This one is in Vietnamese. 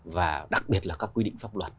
và đặc biệt là các quy định pháp luật